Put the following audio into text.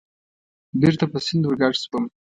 بېرته په سیند ورګډ شوم.